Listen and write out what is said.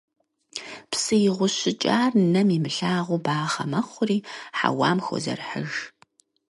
Псы игъущыкӀар нэм имылъагъу бахъэ мэхъури хьэуам хозэрыхьыж.